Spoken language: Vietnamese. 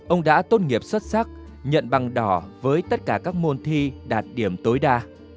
ông đã tốt nghiệp xuất sắc nhận bằng đỏ với tất cả các môn thi đạt điểm tối đa